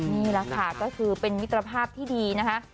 นี่แหละค่ะก็คือเป็นมิตรภาพที่ดีนะคะ